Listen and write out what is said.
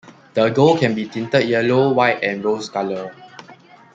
The gold can be tinted yellow, white and rose color.